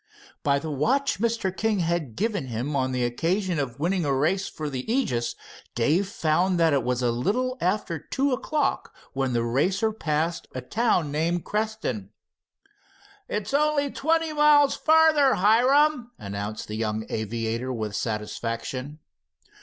By the watch Mr. King had given him on the occasion of winning a race for the Aegis, Dave found that it was a little after two o'clock when the Racer passed a town named Creston. "It's only twenty miles farther, Hiram," announced the young aviator with satisfaction.